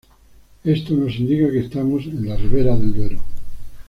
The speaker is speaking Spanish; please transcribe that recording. Esto nos indica que estamos en la Ribera del Duero.